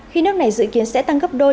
khi nước này dự kiến sẽ tăng gấp đôi